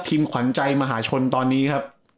ขวัญใจมหาชนตอนนี้ครับ